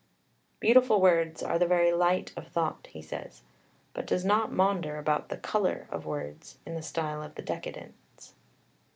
"Beautiful words are the very light of thought," he says, but does not maunder about the "colour" of words, in the style of the decadence.